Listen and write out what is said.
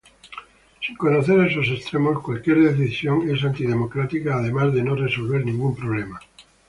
Sin conocer esos extremos cualquier decisión es antidemocrática además de no resolver ningún problema.